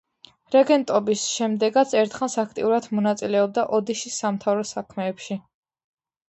რეგენტობის შემდეგაც ერთხანს აქტიურად მონაწილეობდა ოდიშის სამთავროს საქმეებში.